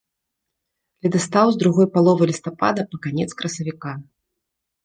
Ледастаў з другой паловы лістапада па канец красавіка.